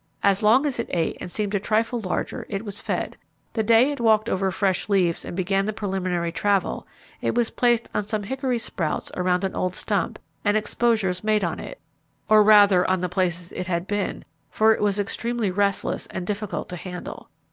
As long as it ate and seemed a trifle larger it was fed. The day it walked over fresh leaves and began the preliminary travel, it was placed on some hickory sprouts around an old stump, and exposures made on it, or rather on the places it had been, for it was extremely restless and difficult to handle.